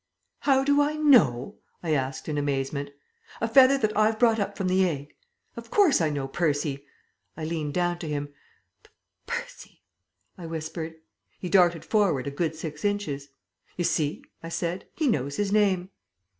"How do I know?" I asked in amazement. "A feather that I've brought up from the egg? Of course I know Percy." I leant down to him. "P percy," I whispered. He darted forward a good six inches. "You see," I said, "he knows his name."